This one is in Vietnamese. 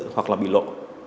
hoặc bị lộ